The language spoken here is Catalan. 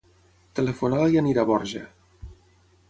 Telefona a la Yanira Borja.